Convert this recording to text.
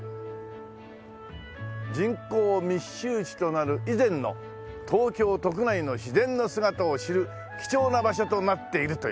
人口密集地となる以前の東京都区内の自然の姿を知る貴重な場所となっているという。